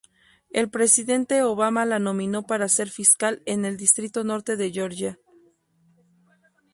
El presidente Obama la nominó para ser fiscal en el Distrito Norte de Georgia.